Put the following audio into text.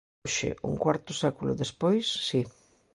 Hoxe, un cuarto século despois, si.